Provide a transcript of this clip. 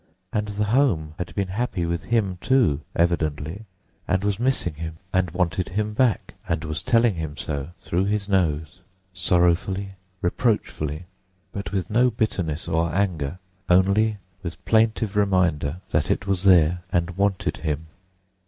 And the home had been happy with him, too, evidently, and was missing him, and wanted him back, and was telling him so, through his nose, sorrowfully, reproachfully, but with no bitterness or anger; only with plaintive reminder that it was there, and wanted him.